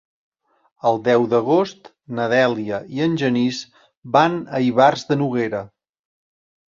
El deu d'agost na Dèlia i en Genís van a Ivars de Noguera.